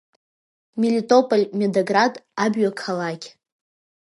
Мелитополь Медоград, абҩа қалақь.